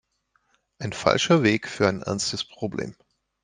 Ein falscher Weg für ein ernstes Problem.